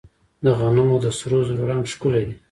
د غنمو د سرو زرو رنګ ښکلی دی.